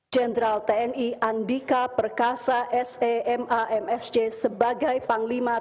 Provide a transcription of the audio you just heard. jenderal tni andika perkasa semamsj sebagai panglima tni